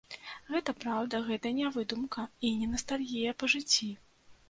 Гэта праўда, гэта не выдумка, і не настальгія па жыцці.